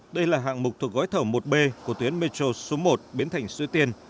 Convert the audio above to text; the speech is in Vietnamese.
đây là hạng mục thuộc gói thầu một b của tuyến metro số một bến thành xuế tiên